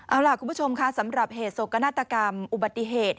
เอาล่ะคุณผู้ชมค่ะสำหรับเหตุโศกนาฏกรรมอุบัติเหตุ